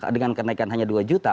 dengan kenaikan hanya dua juta